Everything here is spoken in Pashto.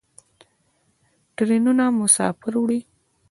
ټرینونه مسافر وړي.